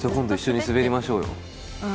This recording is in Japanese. うん。